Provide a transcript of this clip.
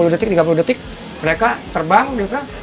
enam puluh detik tiga puluh detik mereka terbang gitu kan